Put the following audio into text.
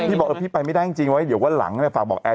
บอกเออพี่ไปไม่ได้จริงไว้เดี๋ยววันหลังฝากบอกแอร์